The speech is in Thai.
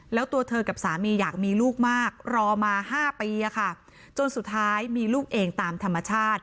แล้วตัวเธอกับสามีอยากมีลูกมากรอมา๕ปีจนสุดท้ายมีลูกเองตามธรรมชาติ